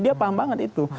dia paham banget itu